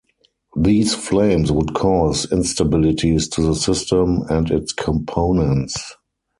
These flames would cause instabilities to the system and its components.